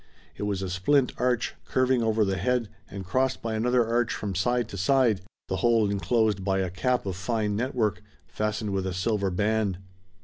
It was a splint arch, curving over the head, and crossed by another arch from side to side, the whole inclosed by a cap of fine network, fastened with a silver band.